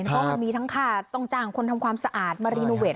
เพราะมันมีทั้งค่าต้องจ้างคนทำความสะอาดมารีโนเวท